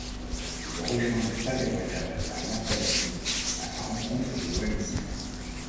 Il rejoint le Palais-Royal à Mata-Utu à la rencontre des Wallisiens.